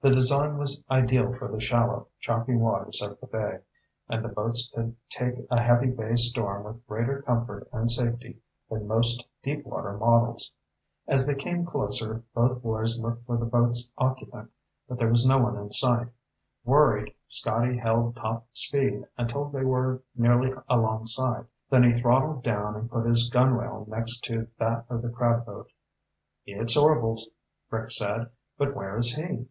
The design was ideal for the shallow, choppy waters of the bay, and the boats could take a heavy bay storm with greater comfort and safety than most deep water models. As they came closer both boys looked for the boat's occupant, but there was no one in sight. Worried, Scotty held top speed until they were nearly alongside, then he throttled down and put his gunwale next to that of the crab boat. "It's Orvil's," Rick said. "But where is he?"